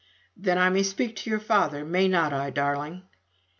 "Then I may speak to your father, may not I, darling?"